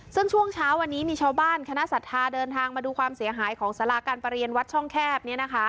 ซึ่งช่วงเช้าวันนี้มีชาวบ้านคณะศรัทธาเดินทางมาดูความเสียหายของสาราการประเรียนวัดช่องแคบ